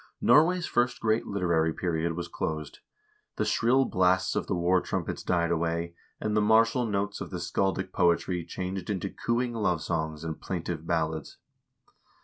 Norway's first great literary period was closed. The shrill blasts of the war trumpets died away, and the martial notes of the scaldic poetry changed into cooing love songs and plaintive ballads.